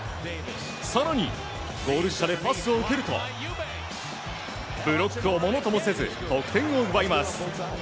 更に、ゴール下でパスを受けるとブロックをものともせず得点を奪います。